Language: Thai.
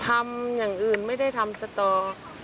ทำอย่างอื่นไม่ได้ทำสตอง